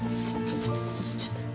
ちょっと。